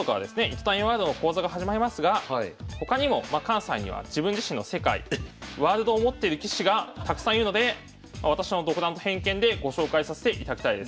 糸谷ワールドの講座が始まりますが他にも関西には自分自身の世界ワールドを持っている棋士がたくさんいるので私の独断と偏見でご紹介させていただきたいです。